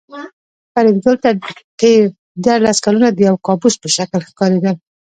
فریدګل ته تېر دیارلس کلونه د یو کابوس په شکل ښکارېدل